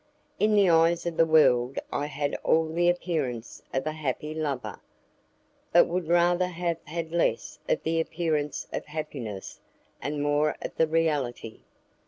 In the eyes of the world I had all the appearance of a happy lover, but I would rather have had less of the appearance of happiness and more of the reality.